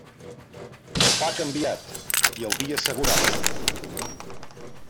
El pa canviat i el vi assegurat.